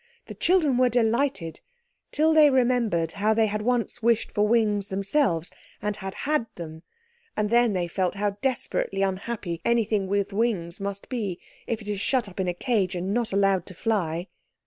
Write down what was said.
The children were delighted till they remembered how they had once wished for wings themselves, and had had them—and then they felt how desperately unhappy anything with wings must be if it is shut up in a cage and not allowed to fly.